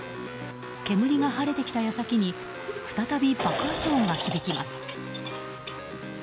煙が晴れてきた矢先に再び爆発音が響きます。